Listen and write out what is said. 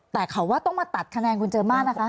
แต่เขาว่าต้องมาตัดคะแนนคุณเจอมากนะคะ